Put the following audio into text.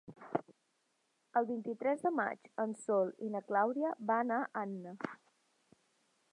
El vint-i-tres de maig en Sol i na Clàudia van a Anna.